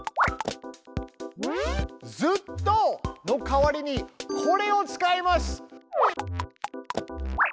「ずっと」の代わりにこれを使います。